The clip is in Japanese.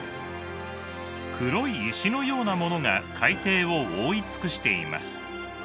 黒い石のようなものが海底を覆い尽くしています。